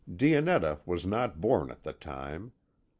Dionetta was not born at the time.